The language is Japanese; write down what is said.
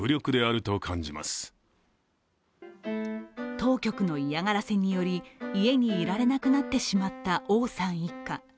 当局の嫌がらせにより家にいられなくなってしまった王さん一家。